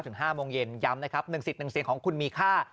ถึง๕โมงเย็นย้ำนะครับหนึ่งสิทธิ์หนึ่งเสียงของคุณมีค่า